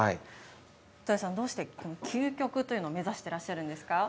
戸谷さん、どうして究極というのを目指してらっしゃるんですか。